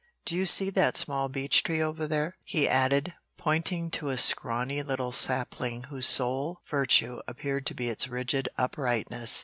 Do you see that small beech tree over there?" he added, pointing to a scrawny little sapling whose sole virtue appeared to be its rigid uprightness.